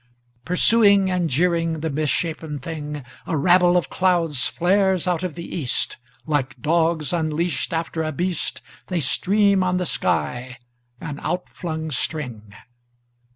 Pursuing and jeering the misshapen thingA rabble of clouds flares out of the east. Like dogs unleashedAfter a beast, They stream on the sky, an outflung string.